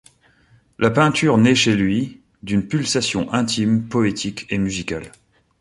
La peinture naît chez lui d’une pulsation intime, poétique et musicale.